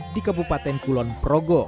di kabupaten kulon progo